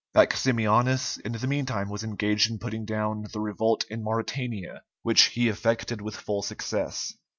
Maximianus in the meantime was engaged in putting down the revolt in Mauritania, which he effected with full success.